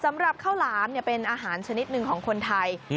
สำหรับข้าวหลามเป็นอาหารชนิดหนึ่งของคนไทย